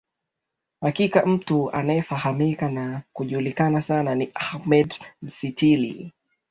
hakika mtu anayefahamika na kujulikana sana ni ahmed mistil